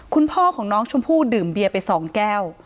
คุณพ่อของน้องชมพู่ดื่มเบียร์ไป๒แก้ว